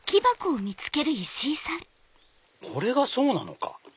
これがそうなのか。